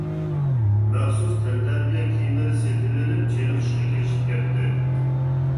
مەخسۇس تەنتەربىيە كىيىملىرى سېتىۋېلىپ چېنىقىشقا كىرىشىپ كەتتى.